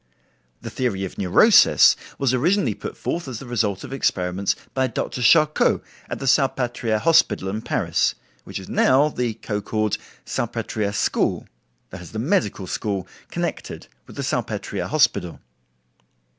The theory of Neurosis was originally put forth as the result of experiments by Dr. Charcot at the Salpetriere hospital in Paris, which is now the co called Salpetriere school—that is the medical, school connected with the Salpetriere hospital.